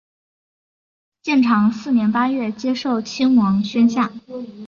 建长四年八月接受亲王宣下。